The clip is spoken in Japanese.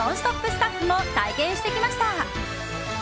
スタッフも体験してきました。